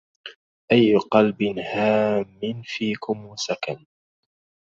أي قلب هام فيكم وسكن